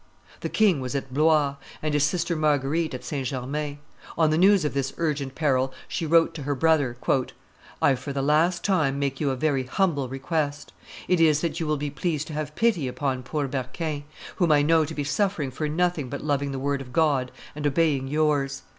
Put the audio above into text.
The king was at Blois, and his sister Marguerite at St. Germain; on the news of this urgent peril she wrote to her brother, "I for the last time, make you a very humble request; it is, that you will be pleased to have pity upon poor Berquin, whom I know to be suffering for nothing but loving the word of God and obeying yours.